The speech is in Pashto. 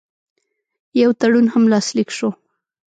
یو تړون هم لاسلیک شو.